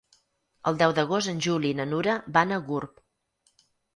El deu d'agost en Juli i na Nura van a Gurb.